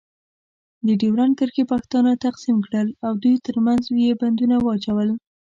د ډیورنډ کرښې پښتانه تقسیم کړل. او دوی ترمنځ یې بندونه واچول.